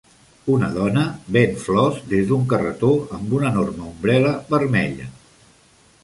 Una dona ven flors des d'un carretó amb una enorme ombrel·la vermella.